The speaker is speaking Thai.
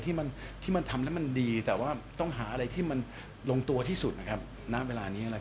ยังมีความรู้สึกดีที่เหลือได้อยู่ไหมครับเพราะเรื่องที่ผ่านไปก็ทำให้หลายอย่างมาก